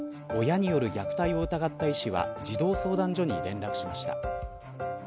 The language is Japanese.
親による虐待を疑った医師は児童相談所に連絡しました。